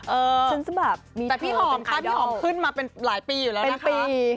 เออแต่พี่หอมค่ะพี่หอมขึ้นมาเป็นหลายปีอยู่แล้วนะคะเป็นปี